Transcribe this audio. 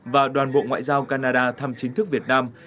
và đoàn bộ ngoại giao canada thăm chính thức việt nam